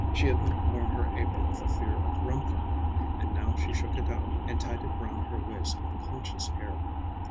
She had not worn her apron for fear of rumpling it, and now she shook it out and tied it round her waist with a conscious air.